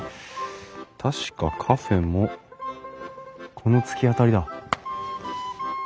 確かカフェもこの突き当たりだ。